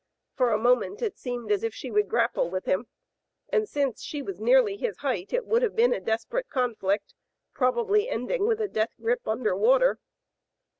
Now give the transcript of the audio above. For a moment it seemed as if she would grapple with him, and since she was nearly his height it would have been a desperate con flict, probably ending with a death grip under water.